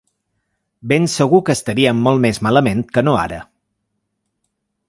Ben segur que estaríem molt més malament que no ara.